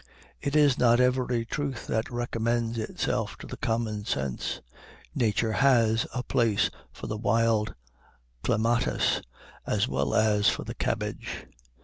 It is not every truth that recommends itself to the common sense. Nature has a place for the wild clematis as well as for the cabbage.